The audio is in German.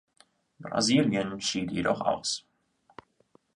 Brasilien schied jedoch aus.